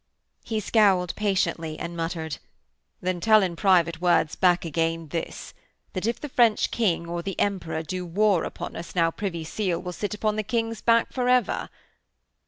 He scowled patiently and muttered: 'Then tell in private words back again this: That if the French King or the Emperor do war upon us now Privy Seal will sit upon the King's back for ever.'